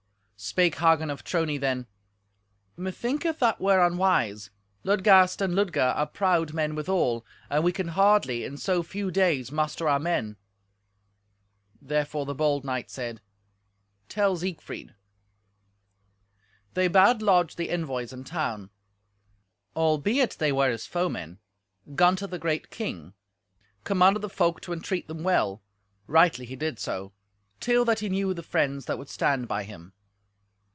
Spake Hagen of Trony then, "Methinketh that were unwise. Ludgast and Ludger are proud men withal, and we can hardly in so few days muster our men." Therefore the bold knight said, "Tell Siegfried." They bade lodge the envoys in town. Albeit they were his foemen, Gunther, the great king, commanded the folk to entreat them well—rightly he did so—till that he knew the friends that would stand by him.